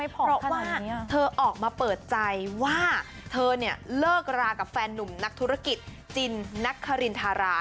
เพราะว่าเธอออกมาเปิดใจว่าเธอเนี่ยเลิกรากับแฟนนุ่มนักธุรกิจจินนักคารินทารา